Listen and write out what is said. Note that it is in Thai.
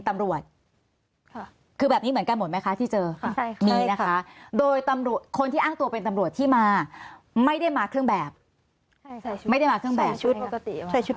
ไม่ได้มาเครื่องแบบใช่ไม่ได้มาเครื่องแบบชุดปกติใช่ชุด